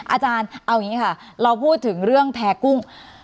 อาจารย์เอาอย่างนี้ค่ะเราพูดถึงเรื่องแพ้กุ้ง